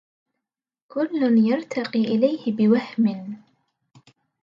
كل يرتقى إليه بوهم